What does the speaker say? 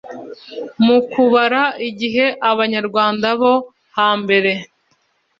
Mu kubara igihe Abanyarwanda bo hambere